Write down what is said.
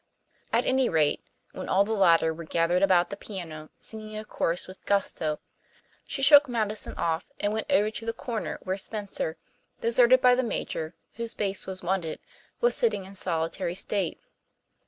At any rate, when all the latter were gathered about the piano singing a chorus with gusto, she shook Madison off and went over to the corner where Spencer, deserted by the Major, whose bass was wanted, was sitting in solitary state.